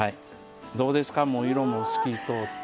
どうですかもう色も透き通って。